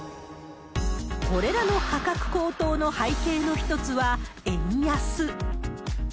これらの価格高騰の背景の一つは、円安。